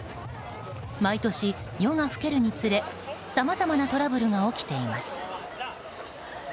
毎年、夜が更けるにつれさまざまなトラブルが起きています。